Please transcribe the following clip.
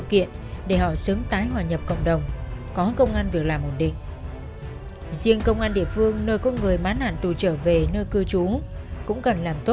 khi xác ở trong thì tôi hô hào